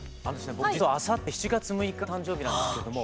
僕実はあさって７月６日が誕生日なんですけれども。